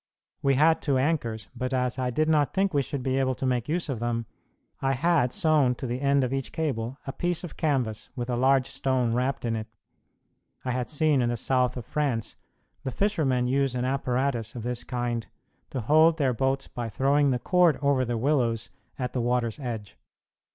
We had two anchors, but as I did not think we should be able to make use of them, I had sewn to the end of each cable a piece of canvas with a large stone wrapped in it. I had seen in the south of France the fishermen use an apparatus of this kind to hold their boats by throwing the cord over the willows at the water's edge.